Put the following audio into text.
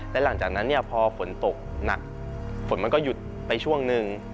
และหลังจากนั้นพอฝนตกหนักฝนมันก็หยุดไปช่วงหนึ่ง